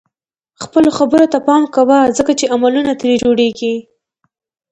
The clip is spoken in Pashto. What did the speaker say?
خپلو خبرو ته پام کوه ځکه چې عملونه ترې جوړيږي.